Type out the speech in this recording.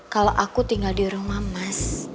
kalau aku tinggal di rumah mas